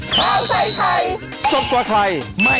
ก็ได้แล้วก็ได้